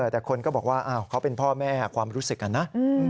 แต่คนก็บอกว่าเขาเป็นพ่อแม่ความรู้สึกนะ